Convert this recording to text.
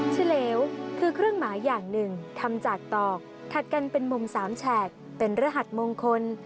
เฉลวคือเครื่องหมายอย่างหนึ่งทำจากตอกถัดกันเป็นมุมสามแฉกเป็นรหัสมงคล